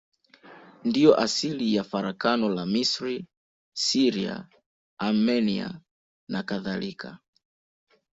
Ndiyo asili ya farakano la Misri, Syria, Armenia nakadhalika.